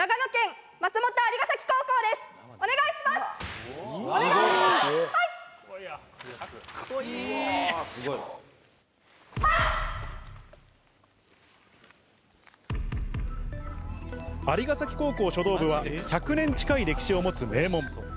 蟻ヶ崎高校書道部は１００年近い歴史を持つ名門。